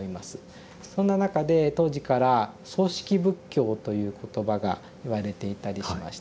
そんな中で当時から「葬式仏教」という言葉が言われていたりしました。